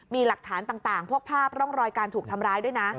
มีหลักฐานต่างพวกภาพร่องรอยการถูกทำร้ายด้วยนะ